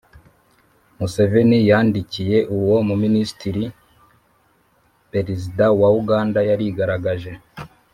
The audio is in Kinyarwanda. museveni yandikiye uwo mu minisitiri, perezida wa uganda yarigaragaje.